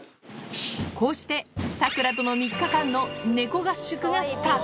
こうして、サクラとの３日間の猫合宿がスタート。